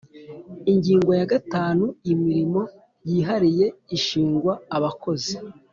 Ingingo ya gatanu Imirimo yihariye ishingwa abakozi